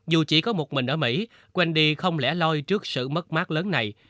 dù chỉ có một mình ở mỹ wendy không lẻ loi trước sự mất mát lớn này